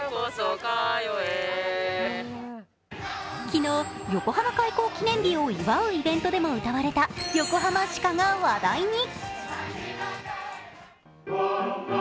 昨日、横浜開港記念日を祝うイベントでも歌われた横浜市歌が話題に。